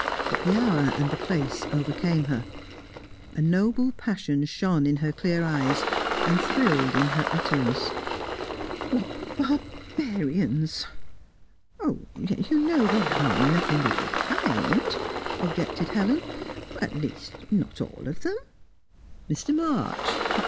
But the hour and the place overcame her; a noble passion shone in her clear eyes, and thrilled in her utterance. "What barbarians!" "Yet you know they are nothing of the kind," objected Helen. "At least, not all of them." "Mr. March?